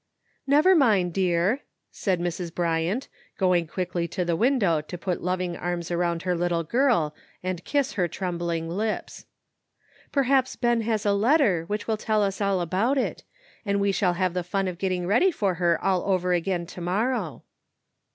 '* ''Never mind, dear," said Mrs. Bryant, go ing quickly to the window to put loving arms around her little girl and kiss her trembling lips. " Perhaps Ben has a letter which will tell us all about it, and we shall have the fun of getting ready for her all over again to morrow."